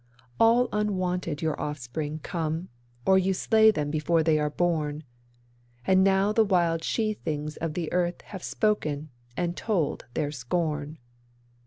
'All unwanted your offspring come, or you slay them before they are born; And now the wild she things of the earth have spoken and told their scorn.